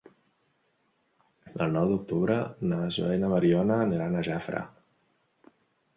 El nou d'octubre na Zoè i na Mariona iran a Jafre.